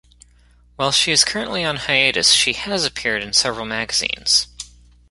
While she is currently on hiatus, she has appeared in several magazines.